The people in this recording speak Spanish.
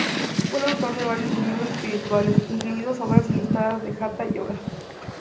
Fue el autor de varios libros espirituales, incluidos obras ilustradas de Hatha Yoga.